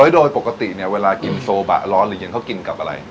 โดยปกติเนี่ยเวลากินโซบะร้อนหรือเย็นเขากินกับอะไร